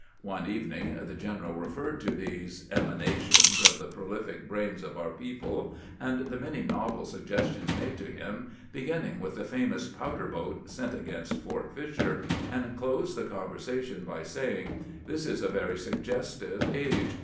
GBANT RELIEVES BUTLEE 373 One evening the general referred to these emanations of the prolific brains of our people, and the many novel suggestions made to him, beginning with the famous powder boat sent against Fort Fisher, and closed the conversation by saying :" This is a very suggestive age.